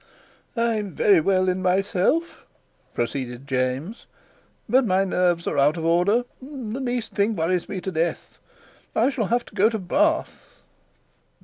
"I'm very well in myself," proceeded James, "but my nerves are out of order. The least thing worries me to death. I shall have to go to Bath."